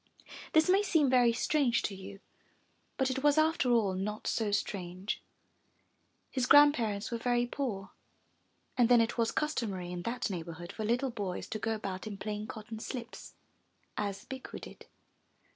This may seem very strange to you, but it was after all not so strange. His grandparents were very poor, and then it was customary in that neighbor hood for little boys to go about in plain cotton slips as Bikku did.